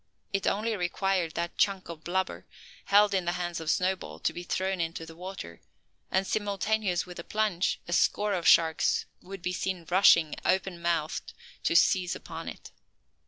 It only required that "chunk" of blubber, held in the hands of Snowball, to be thrown into the water, and simultaneous with the plunge a score of sharks would be seen rushing, open mouthed, to seize upon it.